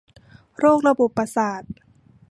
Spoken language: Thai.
โรคระบบประสาท